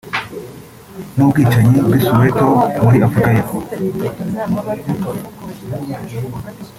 n’ubwicanyi by’i Soweto muri Afurika y’epfo